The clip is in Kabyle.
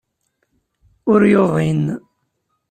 Ur yuḍin.